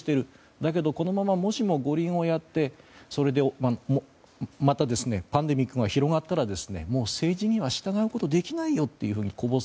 だけど、このままもし五輪をやってそれでまたパンデミックが広がったらもう政治には従うことできないよってこぼす。